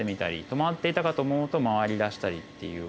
止まっていたかと思うと回りだしたりっていう。